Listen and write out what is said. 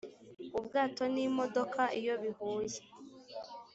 ubwato n imodoka iyobihuye